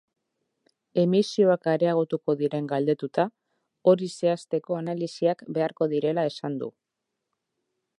Emisioak areagotuko diren galdetuta, hori zehazteko analisiak beharko direla esan du.